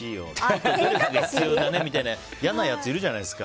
嫌なやついるじゃないですか。